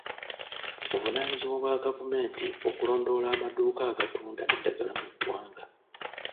Buvunaanyizibwa bwa gavumenti okulondoola amaduuka agatunda eddagala mu ggwanga.